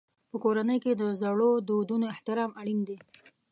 په کورنۍ کې د زړو دودونو احترام اړین دی.